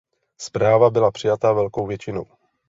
Zpráva byla přijata velkou většinou.